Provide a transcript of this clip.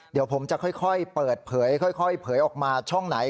เดี๋ยวผมจะค่อยเปิดเผยค่อยเผยออกมาช่องไหน